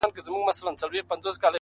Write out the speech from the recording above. صادق چلند د اعتماد کلا جوړوي؛